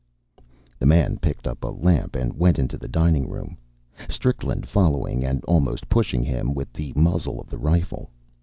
The man picked up a lamp and went into the dining room, Strickland following, and almost pushing him with the muzzle of the rifle.